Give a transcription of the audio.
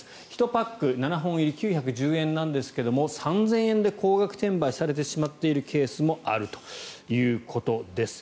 １パック７本入り９１０円なんですが３０００円で高額転売されてしまっているケースもあるということです。